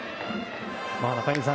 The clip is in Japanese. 中居さん